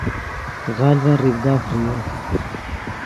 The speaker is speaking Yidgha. غلڤن ریڤدا فریو